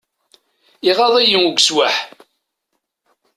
Iɣaḍ-iyi ugeswaḥ!